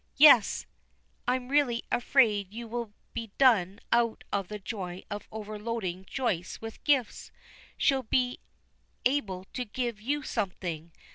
"Yes. I'm really afraid you will be done out of the joy of overloading Joyce with gifts. She'll be able to give you something.